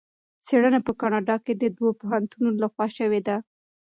څېړنه په کاناډا کې د دوه پوهنتونونو لخوا شوې ده.